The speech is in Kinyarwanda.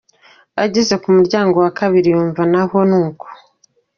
Ageze ku muryango wa kabiri yumva na ho ni uko.